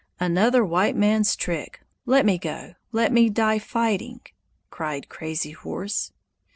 "Another white man's trick! Let me go! Let me die fighting!" cried Crazy Horse.